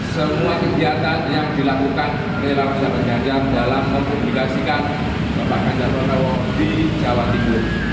semua kegiatan yang dilakukan relawan sahabat ganjar dalam mempublikasikan bapak ganjar pranowo di jawa timur